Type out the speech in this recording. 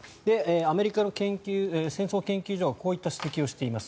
アメリカの戦争研究所はこういった指摘をしています。